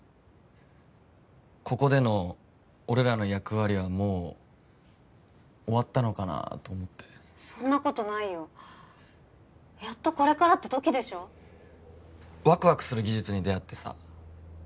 ここでの俺らの役割はもう終わったのかなと思ってそんなことないよやっとこれからって時でしょワクワクする技術に出会ってさ